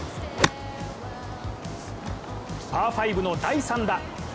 パー５の第３打。